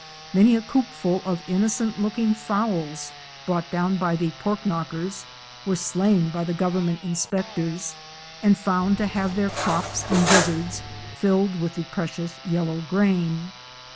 Many a coopful of innocent looking fowls, brought down by the " pork knockers,"' were slain by the government inspectors and found to have their crops and gizzards filled with the precious yellow grain.